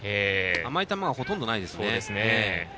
甘い球はほとんどないですね。